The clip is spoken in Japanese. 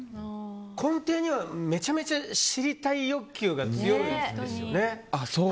根底には、めちゃめちゃ知りたい欲求が強いですよね。